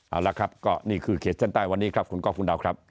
เอาละครับก็นี่คือเขตเส้นใต้วันนี้ครับคุณก้อคุณดาวครับ